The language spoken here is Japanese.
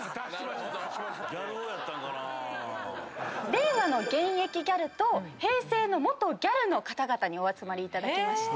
令和の現役ギャルと平成の元ギャルの方々にお集まりいただきまして。